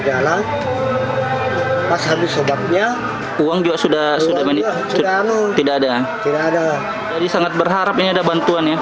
jadi sangat berharap ini ada bantuan ya